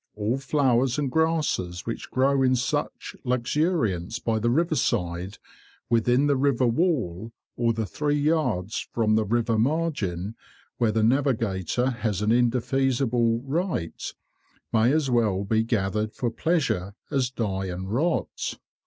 All flowers and grasses which grow in such luxuriance by the riverside, within the river wall, or the three yards from the river margin where the navigator has an indefeasible right, may as well be gathered for pleasure as die and rot.